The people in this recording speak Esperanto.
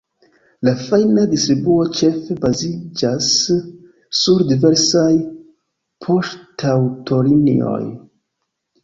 La fajna distribuo ĉefe baziĝas sur diversaj poŝtaŭtolinioj.